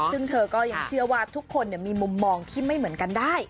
ซึ่งเธอก็ยังเชื่อว่าทุกคนมีมุมมองที่ไม่เหมือนกันได้